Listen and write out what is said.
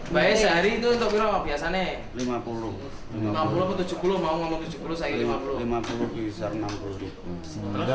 mbak supini mencoba mencoba